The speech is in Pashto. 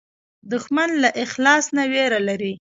دښمن له اخلاص نه وېره لري